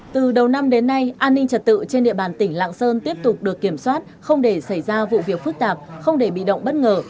từ đầu năm đến nay an ninh trật tự trên địa bàn tỉnh lạng sơn tiếp tục được kiểm soát không để xảy ra vụ việc phức tạp không để bị động bất ngờ